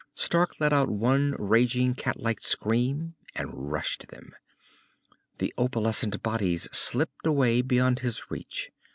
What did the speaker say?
_ Stark let out one raging catlike scream, and rushed them. The opalescent bodies slipped away beyond his reach.